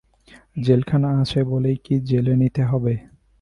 জেলখানা আছে বলেই কি জেলে দিতে হবে!